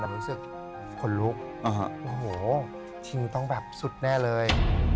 รู้สึกขนลุกโอ้โหชิงต้องแบบสุดแน่เลย